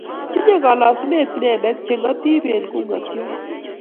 Tinyei kolosunet inendet chengotipen ku kotyot---